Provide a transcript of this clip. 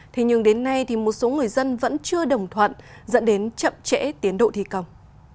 thế nhưng đến nay thì một số người dân vẫn chưa đồng thuận dẫn đến chậm trễ tiến độ thi công